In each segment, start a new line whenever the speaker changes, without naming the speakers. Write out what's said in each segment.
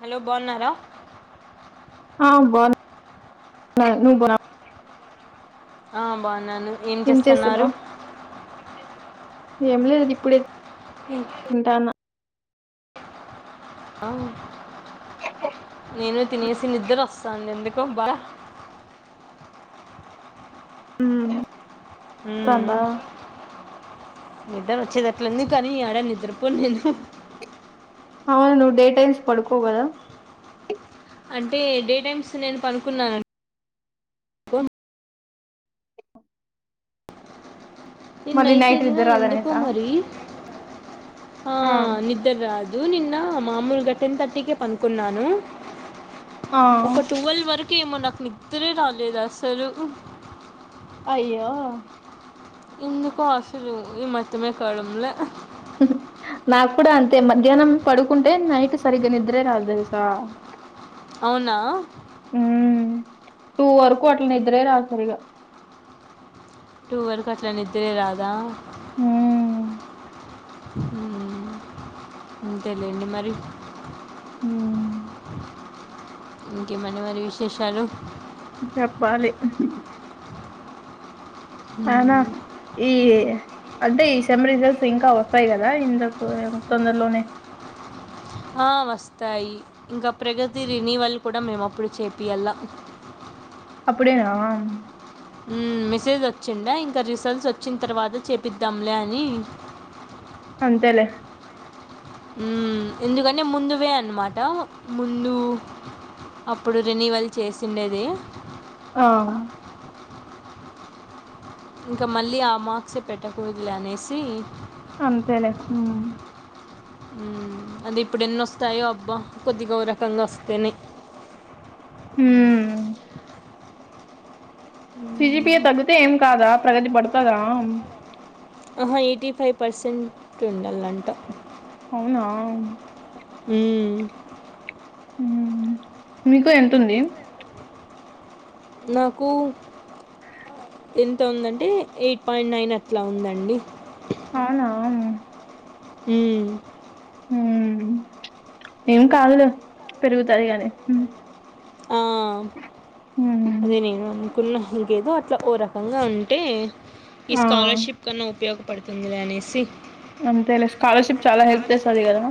Hello బావున్నారా?
ఆ బాగున్న. నువ్వు బాన్
ఆ బావున్నాను.
ఏం చేస్తున్నావు? ఏం లేదు ఇప్పుడే
ఏంటి
తింటాన్న.
ఆ నేను తినేసి నిద్ర వస్తాంది ఎందుకో బాగా. మ్
తందా
నిద్దరోచ్చేదట్లుంది కానీ యాడ నిద్రపోన్ నేను.
అవును నువ్ డే టైమ్స్ పడుకోవు కదా?
అంటే డే టైమ్స్ నేను పనుకున్నాన్ అన్ నిన్న
మళ్ళీ
అయితే
నైట్
గిన
నిద్ర
ఎందుకో
రాదనేసా
మరి, ఆ నిద్ ద్దరు రాదు. నిన్న మామూలుగా టెన్ థర్టీకే పనుకున్నాను
ఆ
ఒక టువెల్ వరకు ఏమో నాకు నిద్రే రాలేదు అసలు.
అయ్యో
ఎందుకో అసలు ఏం అర్థమే కావడంలా
నాకు కూడా అంతే మధ్యాహ్నం పడుకుంటే నైట్ సరిగ్గా నిద్రే రాదు తెలుసా
అవునా
మ్ టూ వరకు అట్ల నిద్రే రాద్ సరిగా
టూ వరుకు అట్ల నిద్రే రాద?
మ్
మ్ అంతేలేండి మరి.
మ్మ్.
ఇంకేమన్ని మరి విశేషాలు?
చెప్పాలి అవునా
మ్మ్.
ఈ అంటే ఈ సెమ్ రిజల్ట్స్ ఇంకా వస్తాయి కదా ఇందకు తొందరలోనే.
ఆ వస్తాయి. ఇంకా ప్రగతి రినివల్ కూడ మేము అప్పుడు చేపియల్ల.
అప్పుడేనా
మ్ మెసేజ్ వచ్చిండా. ఇంక రిసల్ట్స్ వచ్చిన తర్వాత చేయిపిద్దాంలే అని,
అంతేలె
మ్ ఎందుకంటే ముందువే అన్నమాట ముందు, అప్పుడు రెనివల్ చేసిండేది
ఆ
ఇంకా మళ్ళీ ఆ మార్క్సే పెట్టకూడదలే అనేసి
అంతేలే ఉ
ఉమ్ అది ఇప్పుడు ఎన్నోస్తాయో అబ్బా కొద్దిగ ఒ రకంగా వస్తేనే
ఉ సిజీపిఏ తగ్గుతే ఏం కాద ప్రగతి పడుతదా
ఆహా ఎయిటీ ఫైవ్ పర్సెంట్ ఉండాలంట
అవునా
ఉ
ఉమ్ మీకు ఎంతుంది
నాకు ఎంత ఉందంటే ఎయిట్ పాయింట్ నైన్ అట్ల ఉందండి
అవునా
ఉ
ఉమ్ ఏం కాదులె పెరుగుతది గాని
ఆ
హ్మ్
అదే నేను అన్న కున్న ఇంకేదో అట్లా ఓ రకంగా ఉంటే ఈ
ఆ
స్కాలర్షిప్ కన్నా ఉపయో పడుతుందిలె అనేసి
అంతేలె స్కాలర్షిప్ చాల హెల్ప్ చేస్తది గదా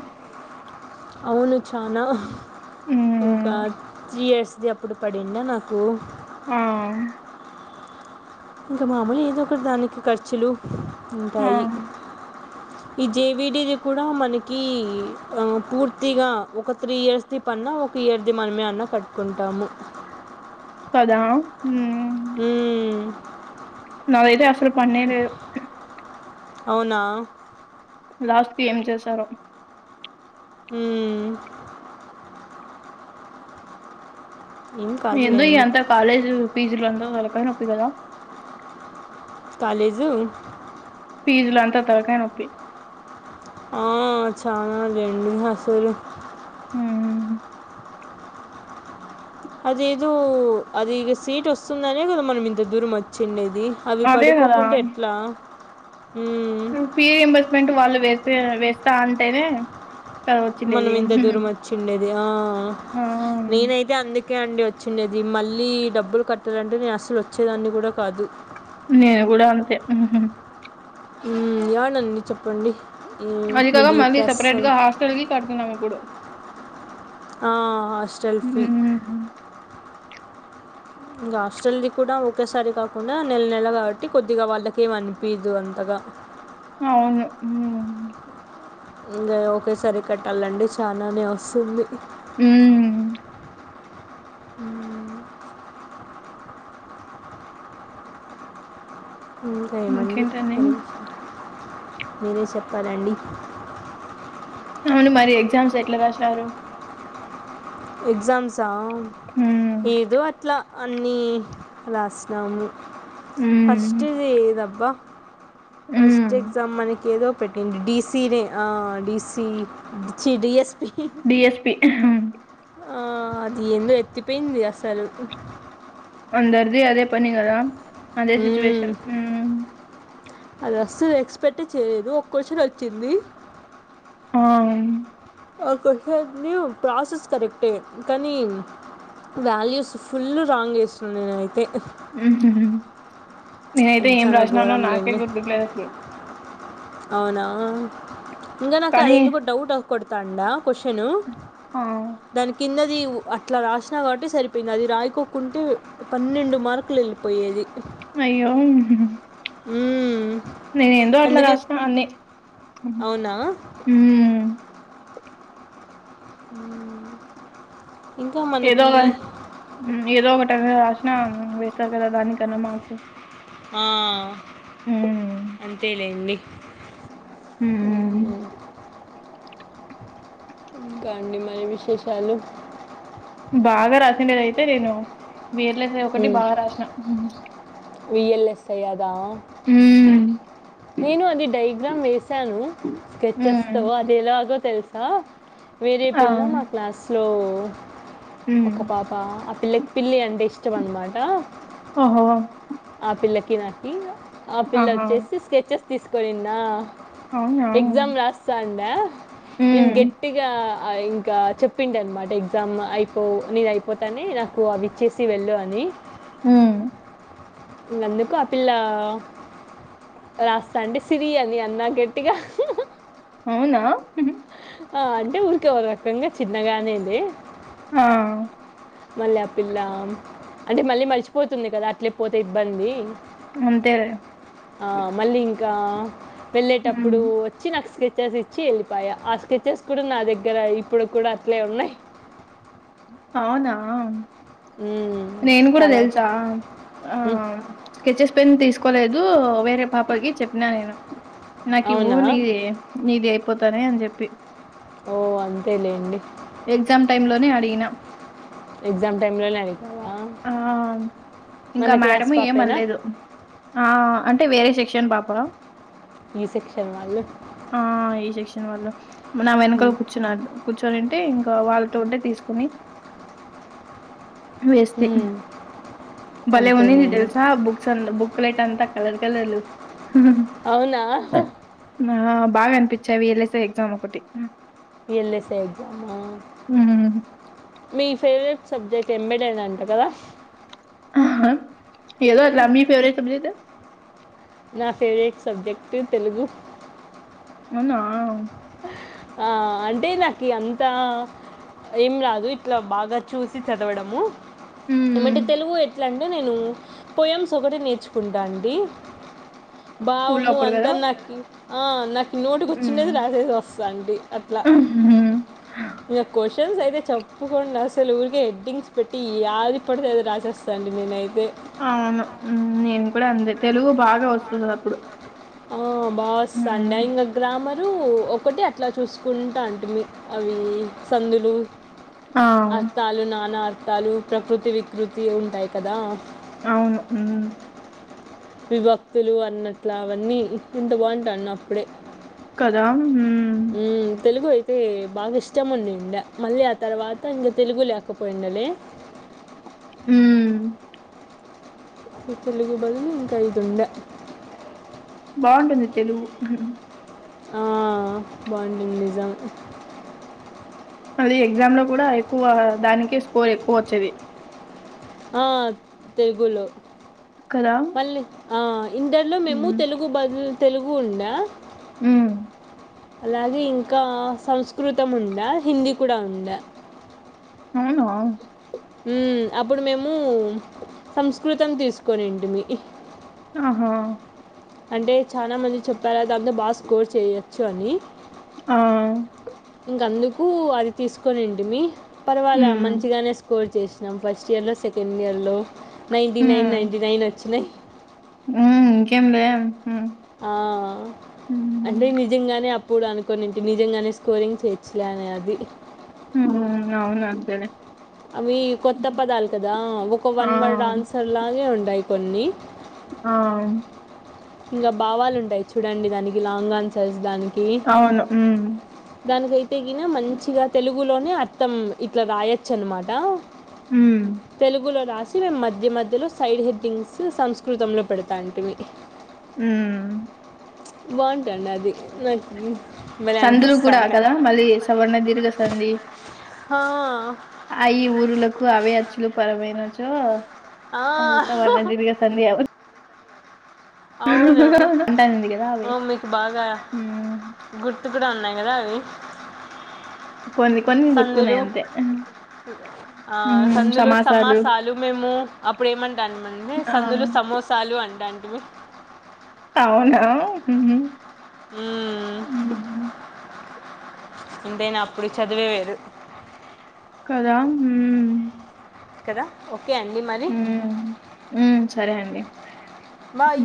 అవును చానా ఇంక
హ్మ్
త్రీ ఇయర్స్ది అప్పుడు [unintelligible] నాకు
ఆ
ఇంక మామూలు ఏదో ఒకటి దానికి ఖర్చులు
ఆ
ఉంటాయి ఈ జేవిడిది కూడ మనకి ఆ పూర్తిగ ఒక త్రీ ఇయర్స్ పన్నా ఒక ఇయర్ది మనమే అన్న కట్టుకుంటాము
కదా హు
ఉ
నది అయితే అసలు పన్నే లేదు
అవునా
లాస్ట్ కి ఏం చేసారో
హు [unintelligible]
ఎందో ఇ అంత కాలేజ్ ఫీజులు తలకాయ్ నొప్పి కద
కాలేజు
పీజులు అంత తలకాయ్ నొప్పి
ఆ [unintelligible] అసలు
హు
అదేదో అది ఇగ సీట్ వస్తుందనే కదా మనం ఇంత దూరం వచ్చిండేది అవి
అదే కదా
పడుకోకుంటే ఎట్లా ఉమ్
పీ ఎంబర్స్మెంట్ వాళ్ళు వేస్తే వేస్త అంటేనే కదా
మనం
వచ్చిండేది
ఇంత దూరం వచ్చిండేది ఆ
ఆ
నేనైతే [unintelligible] [unintelligible] అండి వచ్చిండది మళ్ళీ డబ్బులు కట్టాలంటే నేను అసలు వచ్చేదాన్ని గుడా కాదు
నేను గుడ అంతే
ఉమ్ యానండి చెప్పండి ఉమ్ మిడిల్ క్లాస్ [unintelligible]
[unintelligible] కడుతున్నాము ఇప్పుడు
ఆ హాస్టల్ ఫీ
ఉమ్.
ఇంగా హాస్టల్ది కూడా ఒకేసారి కాకుండా నెల నెల కాబట్టి కొద్దిగా వాళ్ళక ఏం అనిపిదు అంతగా
ఆవును ఉమ్
ఇంకా ఒకేసారి కట్టాలండి చాలనే వస్తుంది
ఉ
హూ ఇంకా ఏమండి
ఇంకేంటండి
మరి మీరె చెప్పాలండి
అవును మరి ఎగ్జామ్స్ ఎట్ల రాష్నారు
ఎగ్జామ్స్ ఆ
ఉమ్.
ఏదో అట్లా అన్నీ రాసినాము
ఉమ్
ఫస్ట్ది ఇదబ్బా
ఉమ్.
ఫస్ట్కి చ మనకి ఏదో పెట్టింది డీసీ దే ఆ డీసీ చి డిఎస్పి
డిఎస్పి
ఆ అది ఏందో ఎత్తిపోయింది అసలు
అందరిది అదే పని కదా అదే సిట్యుయేషన్ ఉ
అది అస్సలు ఎక్స్పెక్టే చేయలేదు ఒక క్వశ్చన్ వచ్చింది
ఆవున్
ఒకొక వ్యూ ప్రాసెస్ కరెక్టే కనీ వాల్యూస్ ఫుల్ రాంగ్ వేస్తుండు ఈనైతే
ఉహ్హు నేనైతే
అది
ఏం
చాలా
రరాసినానో నాకే గుర్తుకులేసలు
అవున ఇంకా నాకు అది
కానీ
ఎందుకో డౌట్ కొడతతాండ క్వశ్చను
ఆ
దాని కిందది అట్లా రాసినా కాబట్టి సరిపోయింది అది రాయికోకుంటే పన్నెండు మార్కులు వెళ్ళిపోయి పోయ్యేది
అయ్యో
మ్మ్.
నేను ఎందో అట్లా
అందుకే
రస్నా అన్నీ
అవునా
ఉ
ఉ
ఏదో ఒక ఏదో ఒకటి అదే రాసిన వేస్తారు కదా దానికన్నా మార్క్స్
ఆ
ఉమ్
అంతేలేండి
ఉమ్
ఇంకా అండి మరి విశేషాలు
బాగా రాసండేది అయితే నేను విల్ యస్ ఒకటి బాగా రాసిన
విఎల్ఎస్ఐ అదా
ఉ
నేను అది డైగ్రామ్ వేసాను స్కెచెస్తో
ఉమ్
అది ఎలాగో తెలుసా వేరే
ఆ
పిల్ల మా క్లాస్లో
ఉ
అ పాప ఆ పిల్లకి పిల్లి అంటే ఇష్టం అనమాట
ఒహో
ఆ పిల్లకి నాకి ఆ పిల్ల
ఆహా
వచ్చేసి స్కెచెస్ తీసుకవోయిందా
అవునా
ఎగ్జామ్ రాస్థాండా నేను
ఉమ్,
గెట్ గట్టిగా ఇంకా చెప్పిండ అనమాట ఎగ్జామ్ అయిపో నిధి అయిపోతానే నాకు కు అవి ఇచ్చేసి వెళ్ళు అని
ఉ
ఇంగ అందుకు ఆ పిల్ల రాస్తా అంటే సిరి అని అన్న గట్టిగా
అవునా
ఆ అంటే ఊరికే ఒక రకంగా చిన్నగానే లే
ఆ
మళ్ళీ ఆ పిల్ల అంటే మళ్ళీ మరిచిపోతుంది కదా అట్లే పోతే ఇబ్బంది
అంతేలె
ఆ మళ్ళీ ఇంకా
ఉమ్,
వెళ్ళేటప్పుడు ఇచ్చి నాకు స్కెచెస్ ఇచ్చి వెళ్ళిపాయా ఆ స్కెచెస్ కూడా నా దగ్గర ఇప్పుడు కూడా అట్లే ఉన్నాయి
అవునా
మ్మ్,
నేను కూడా
కావాలి
తెలుసా ఆ
మ్మ్,
స్కెచెస్ పెన్ తీసుకోలేదు వేరే పాపకి చెప్పినా నేను నాకు ఇవ్వు
అవునా
నీది నీది అయిపోతానే అని చెప్పి
ఓ అంతే లేండి
ఎగ్జామ్ టైమ్ లోనే అడిగిన
ఎగ్జామ్ టైంలోనే అడిగావా
ఆ ఇంకా
మన
మేడం
క్లాస్ పాపేనా
ఏమనలేదు ఆ అంటే వేరే సెక్షన్ పాప
ఈ సెక్షన్ వాళ్ళు
ఆ ఈ సెక్షన్ వాళ్ళు నా వెనకాల
మ్మ్,
కూర్చున్నా కూర్చొనింటే ఇంకా వాళ్ళతో ఉంటే తీస్ కొని వేస్తె
మ్మ్,
బలే ఉండింది
అంతేలేండి
తెల్సా బుక్స్ అంద బుక్ క్లేట్ అంతా కలర్ కలర్లు
అవునా
బాగా అనిపించావి వెల్సే ఎగ్జామ్ ఒకటి
ఎల్ఎస్ఏఐ ఎగ్జామా
ఉమ్.
మీ ఫేవరెట్ సబ్జెక్ట్ ఎంబడి అని అంట కదా
అహ ఎదో అట్ల మీ ఫెవరెట్ సబ్జెక్ట్
నా ఫేవరేట్ సబ్జెక్టు తెలుగు
అవునా
ఆ అంటే నాకు అంతా ఏం రాదు ఇట్లా బాగా చూసి చదవడము ఏమంటే
మ్మ్
తెలుగు ఎట్లా అంటే నేను పొయమ్స్ ఒకటి నేర్చుకుంటా అండి
స్కూల్లో
భావము
అప్పుడు కదా
అంతా నాకి అ నాకు నోటికోచ్చిండేది
మ్మ్
రాసేసి వస్తు అండి అట్లా
హ
ఇగ క్వశ్చన్స్ అయితే చెప్పకుండా అసలువు ఊరికే హెడ్డింగ్స్ పెట్టి యాది పడితే అది రాసేస్తా అండి నేనైతే
అవును మ్ నేను కూడా అందే తెలుగు బాగా వస్తుంది అప్పుడు
ఆ బాగోస్థాండే
మ్మ్
ఇగ గ్రామరు ఒకటి అట్లా చూసుకుంటంటి మీ అవేమి సందులు
ఆ
అర్థాలు నానా అర్థాలు ప్రకృతి వికృతి ఉంటాయి కదా
అవును మ్
విభక్తులు అన్నట్లు అవన్నీ ఇంత బాగుంటాన్న అప్పుడే
కదా మ్
మ్ తెలుగు అయితే బాగా ఇష్టముండిండే మళ్ళీ ఆ తర్వాత ఇంగ తెలుగు లేకపోయిండలే
మ్
ఈ తెలుగు బదులు ఇంకా ఇది ఉండె
బాగుంటుంది తెలుగు
ఆ బాగుంటుంది నిజం
అది ఎగ్జామ్ లో కూడా ఎక్కువ దానికే స్కోర్ ఎక్కువ వచ్చేది
ఆ తెలుగులో
కదా
మళ్ళీ ఆ ఇంటర్లో మేము
ఉమ్
తెలుగు బదులు తెలుగు ఉండే
ఉ
అలాగే ఇంకా సంస్కృతం ఉందా హిందీ కూడా ఉంద
అవున
ఉ అప్పుడు మేము సంస్కృతం తీసుకోనింటిమి
ఆహ
అంటే చాలా మంది చెప్పారా దాంతో బాగా స్కోర్ చేయచ్చు అని
ఆ
ఇంక అందుకు అది తీసుకొనింటి మీ పర్వాల
ఉమ్
మంచిగానే స్కోర్ చేసినాం ఫస్ట్ ఇయర్లో సెకండ్ ఇయర్లో నైంటీ నైన్ నైంటీ నైన్ వచ్చినాయి
ఉ ఇంకేంది
ఆ అంటే నిజంగానే అప్పుడు అనుకోనింటి నిజంగానే స్కోరింగ్ చేయచ్చలే అనే అది
హ అవును అంతేలే
అవి కొత్త పదాలు కదా ఒక
ఆ
వన్ వర్డ్ ఆన్సర్ లాగే ఉంటాయి కొన్ని
ఆ
ఇంకా భావాలు ఉంటాయి చూడండి దానికి లాంగ్ ఆన్సర్స్ దాని
అవును
దానికైతే గిన మంచిగా తెలుగులోనే అర్థం ఇట్లా రాయచ్చనమాట
ఉమ్
తెలుగులో రాసి మేము మధ్య మధ్యలో సైడ్ హెడ్టింగ్స్ సంస్కృతంలో పెడతా అంటిమీ
ఉ
బాగుంటుండే అది నాకు భలే
సందులు కూడా
అనిపిస్తుండే
కదా మళ్ళీ సవర్ణ దీర్ఘ సంది
హా
అ ఈ ఊరులకు అవే అచ్చులు పరమైనచో
ఆ,
అది సవర్ణ దిర్ గా సంది అవును
అవును
అంటానింది కదా అవి
అ మీకు బాగా
హ్మ్.
గుర్తు కూడా ఉన్నాయి కదా అవి
కొన్నీ కొన్ని
సందులు
గుర్తున్నాయి అంతే
ఆ సందులు సమాసాలు మేము అప్పుడు ఏమంటా మండి
ఆ!
సందులు సమోస సాలు అంటాటిమి
అవునా
హు
హ్మ్.
ఎంతైనా అప్పుడు చదువేవేరు
కదా హ్మ్
కదా ఓకే అండి మరి
హ్మ్. సరే అండి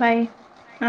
బాయ్ ఆ